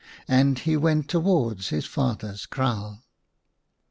And he went towards his father's kraal.